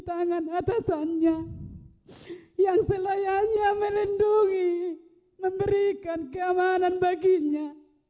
tangan atasannya yang selayaknya melindungi memberikan keamanan baginya